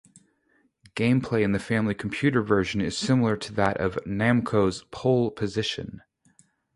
Gameplay in the Family Computer version is similar to that of Namco's "Pole Position".